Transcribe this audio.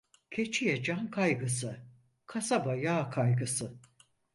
Keçiye can kaygısı, kasaba yağ kaygısı.